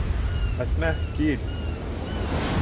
Әсмә, кил!